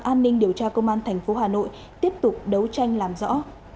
an ninh điều tra công an tp hà nội tiếp tục đấu tranh làm rõ